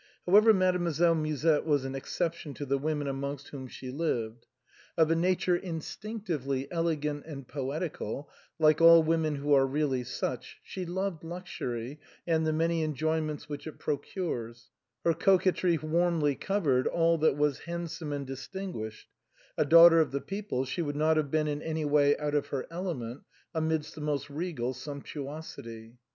However, Mademoiselle Musette was an exception to the women amongst whom she lived. Of a nature instinc tively elegant and poetical, like all women who are really such, she loved luxury and the many enjoyments which it procures; her coquetry warmly coveted all that was hand some and distinguished ; a daughter of the people, she would not have been in any way out of her element amidst the most regal sumptuousity.